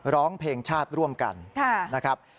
ร้องเพลงชาติร่วมกันนะครับ